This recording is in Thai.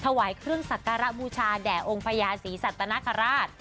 ถวายเครื่องสักการะบูชาแด่องค์พญาศรีสัตนคราช